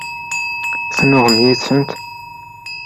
Tennuɣem yid-sent?